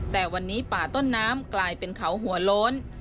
แต่วันนี้ป่าต้นน้ำกลายเป็นเขาหัวโล้น